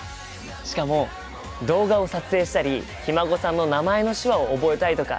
しかも動画を撮影したりひ孫さんの名前の手話を覚えたいとかすごいよね。